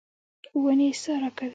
ونې سا راکوي.